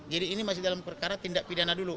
jadi ini masih dalam perkara tindak pidana dulu